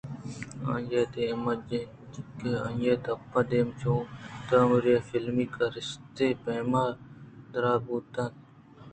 آئی ءِ دیم ءَ جِکّ اَت ءُآئی ءِ دپ ءُ دیم چو تامُری(فلمی) کارستے ءِ پیم ءَ درا بوت اَنت